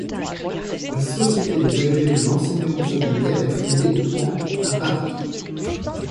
La Société des agrégés de l'enseignement secondaire est fondée en à Paris.